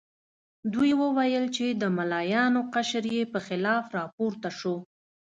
دوی وویل چې د ملایانو قشر یې په خلاف راپورته شو.